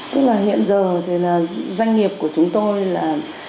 tức là hiện giờ doanh nghiệp của chúng tôi là